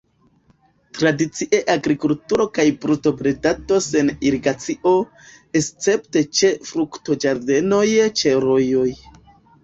Tradicie agrikulturo kaj brutobredado sen irigacio, escepte ĉe fruktoĝardenoj ĉe rojoj.